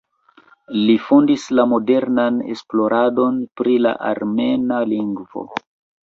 Li fondis la modernan esploradon pri la armena lingvo.